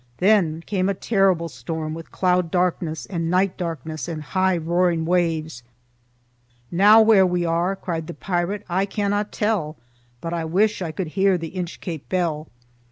Then came a terrible storm with cloud darkness and night darkness and high roaring waves, "Now where we are," cried the pirate, "I cannot tell, but I wish I could hear the Inchcape bell."